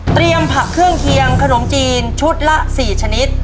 ผักเครื่องเคียงขนมจีนชุดละ๔ชนิด